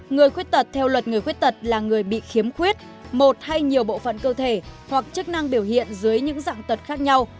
người khuyết tật theo luật người khuyết tật là người bị khiếm khuyết một hay nhiều bộ phận cơ thể hoặc chức năng biểu hiện dưới những dạng tật khác nhau